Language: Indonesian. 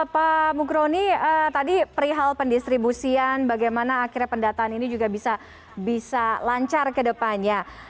pak mukroni tadi perihal pendistribusian bagaimana akhirnya pendataan ini juga bisa lancar ke depannya